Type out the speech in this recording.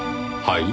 はい？